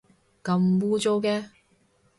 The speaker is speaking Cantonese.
咁污糟嘅